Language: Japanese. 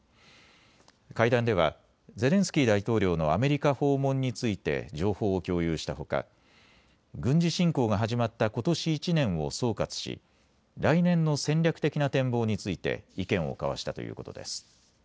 会談ではゼレンスキー大統領のアメリカ訪問について情報を共有したほか軍事侵攻が始まったことし１年を総括し、来年の戦略的な展望について意見を交わしたということです。